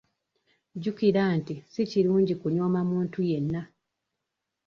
Jjukira nti si kirungi kunyooma muntu yenna.